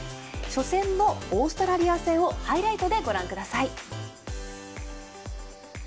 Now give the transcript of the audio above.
初戦のオーストラリア戦をハイライトでご覧ください。